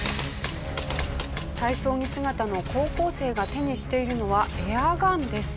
体操着姿の高校生が手にしているのはエアガンです。